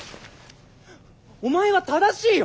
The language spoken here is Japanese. お前は正しいよ！